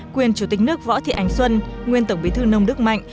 quyền chủ tịch nước võ thị ánh xuân nguyên tổng bí thư nông đức mạnh